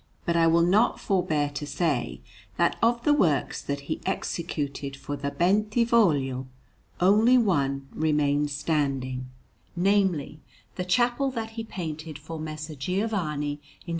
But I will not forbear to say that, of the works that he executed for the Bentivogli, only one remained standing namely, the chapel that he painted for Messer Giovanni in S.